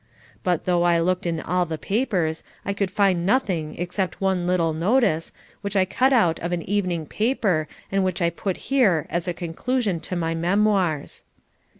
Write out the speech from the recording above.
But though I looked in all the papers I could find nothing except one little notice, which I cut out of an evening paper and which I put in here as a conclusion to my memoirs.